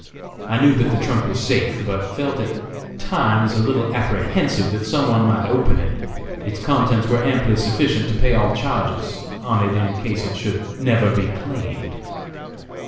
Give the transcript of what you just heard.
I knew that the trunk was safe, but felt at times a little apprehensive that some one might open it. Its contents were amply sufficient to pay all charges on it in case it should never be claimed.